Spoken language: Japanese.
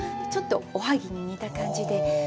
ちょっと、おはぎに似た感じで。